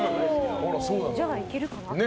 じゃあいけるかな。